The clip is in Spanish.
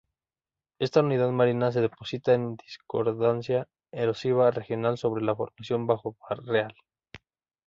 Esta unidad marina se deposita en discordancia erosiva regional sobre la Formación Bajo Barreal.